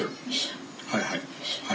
はいはい。